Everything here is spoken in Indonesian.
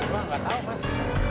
taufan nggak tahu mas